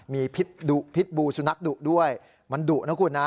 มีพิษบูสุนัขดุด้วยมันดุนะคุณนะ